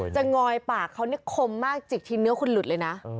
งอยปากเขานี่คมมากจิกทีเนื้อคุณหลุดเลยนะ